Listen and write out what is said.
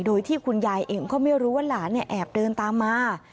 โดยที่คุณยายเองก็ไม่รู้ว่าหลานแอบเดินตามมา